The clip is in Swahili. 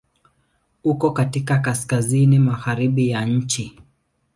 Uko katika kaskazini-magharibi ya nchi.